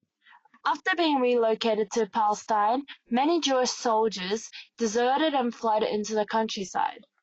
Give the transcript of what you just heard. After being relocated to Palestine, many Jewish soldiers deserted and fled into the countryside.